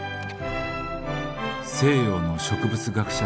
「西洋の植物学者